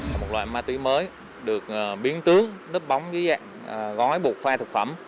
một loại ma túy mới được biến tướng nấp bóng gói bột phai thực phẩm